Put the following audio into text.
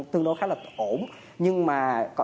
tương đối khá là ổn nhưng mà